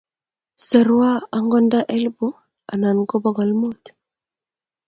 Serwo agonda elipu anan ko bogol mut